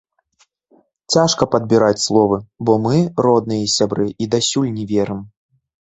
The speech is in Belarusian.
Цяжка падбіраць словы, бо мы, родныя і сябры, і дасюль не верым.